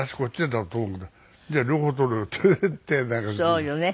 そうよね。